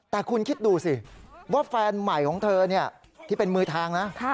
แต่คุณคิดดูสิว่าแฟนใหม่ของเธอที่เป็นมือแทงนะ